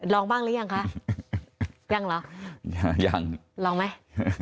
ลองบ้างหรือยังคะยังเหรอยังลองไหม